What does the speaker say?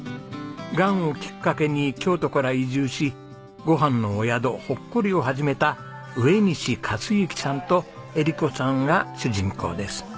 がんをきっかけに京都から移住し「ごはんのお宿ほっこり、」を始めた上西克幸さんと絵理子さんが主人公です。